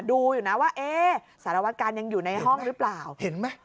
ดูอยู่นะว่าเอ๊ะสารวการยังอยู่ในห้องหรือเปล่าเห็นไหม